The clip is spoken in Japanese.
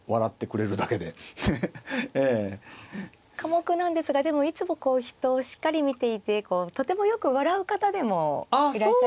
寡黙なんですがでもいつもこう人をしっかり見ていてとてもよく笑う方でもいらっしゃいますよね。